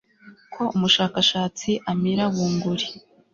Ko umushakashatsi amira bunguri